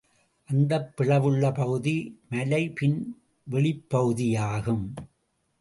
அந்தப் பிளவுள்ள பகுதி மலைபின் வெளிப்பகுதியாகும்.